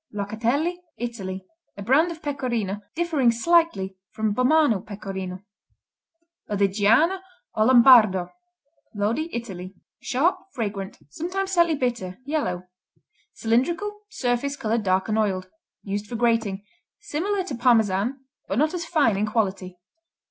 Locatelli Italy A brand of Pecorino differing slightly from Bomano Pecorino. Lodigiano, or Lombardo Lodi, Italy Sharp; fragrant; sometimes slightly bitter; yellow. Cylindrical; surface colored dark and oiled. Used for grating. Similar to Parmesan but not as fine in quality.